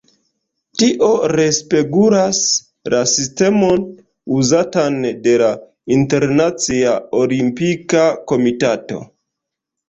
Tio respegulas la sistemon uzatan de la Internacia Olimpika Komitato.